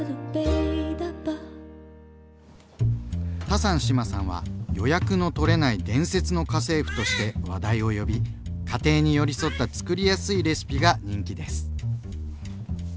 タサン志麻さんは「予約の取れない伝説の家政婦」として話題を呼び家庭に寄り添ったつくりやすいレシピが人気です。